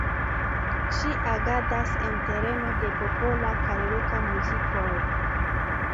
Ŝi agadas en tereno de popola kaj roka muzikoj.